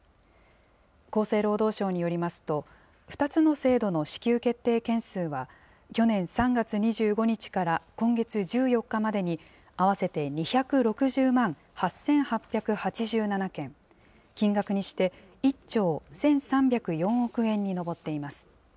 厚生労働省によりますと、２つの制度の支給決定件数は、去年３月２５日から今月１４日までに、合わせて２６０万８８８７件、金額にして１兆１３０４億円に上っています。